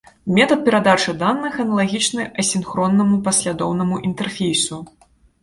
Метад перадачы даных аналагічны асінхроннаму паслядоўнаму інтэрфейсу.